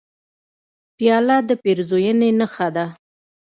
پیاله د پیرزوینې نښه ده.